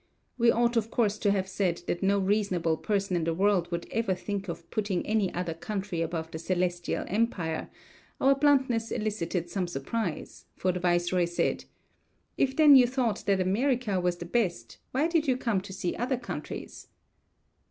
We ought of course to have said that no reasonable person in the world would ever think of putting any other country above the Celestial Empire; our bluntness elicited some surprise, for the viceroy said: "If then you thought that America was the best why did you come to see other countries?"